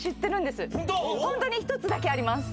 ホントに１つだけあります。